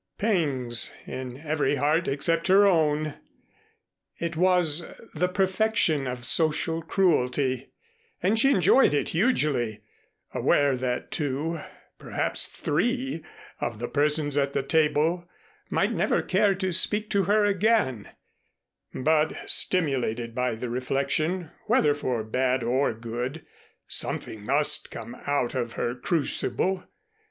Pangs in every heart except her own! It was the perfection of social cruelty, and she enjoyed it hugely, aware that two, perhaps three, of the persons at the table might never care to speak to her again, but stimulated by the reflection, whether for bad or good, something must come out of her crucible.